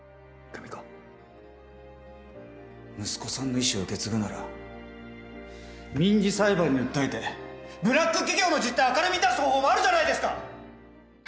息子さんの遺志を受け継ぐなら民事裁判に訴えてブラック企業の実態を明るみに出す方法もあるじゃないですか！